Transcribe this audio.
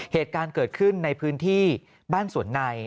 เหตุการณ์เกิดขึ้นในพื้นที่บ้านสวนใน